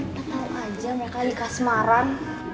tahu aja mereka ikas marah